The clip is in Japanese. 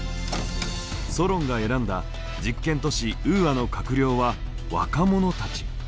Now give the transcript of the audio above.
ソロンが選んだ実験都市ウーアの閣僚は若者たち。